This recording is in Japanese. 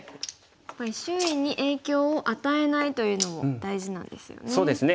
やっぱり周囲に影響を与えないというのも大事なんですよね。